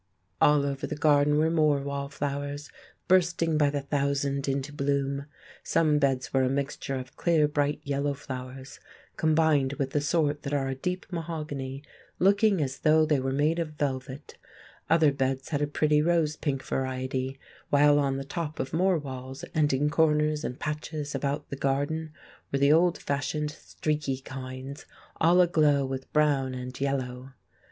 All over the garden were more wallflowers bursting by the thousand into bloom. Some beds were a mixture of clear bright yellow flowers, combined with the sort that are a deep mahogany, looking as though they were made of velvet; other beds had a pretty rose pink variety; while on the top of more walls, and in corners and patches about the garden, were the old fashioned "streaky" kinds, all aglow with brown and yellow.